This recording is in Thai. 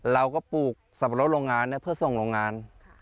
ปลูกสับปะรดโรงงานเพื่อส่งโรงงาน